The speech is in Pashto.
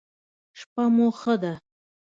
شپه مو ښه ده